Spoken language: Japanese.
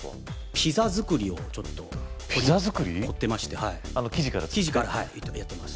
ピザ作りをちょっと凝ってましてあの生地から生地からはいやってます